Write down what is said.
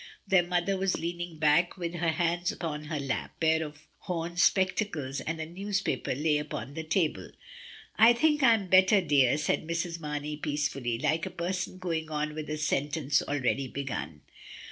Their mother was leaning back with her hands upon her lap, a pair of horn spectacles and a newspaper lay upon the table. "I think I am better, dear," said Mrs. Marney peacefully, like a person going on with a sentence already begun.